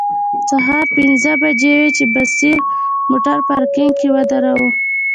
سهار پنځه بجې وې چې بصیر موټر پارکینګ کې ودراوه.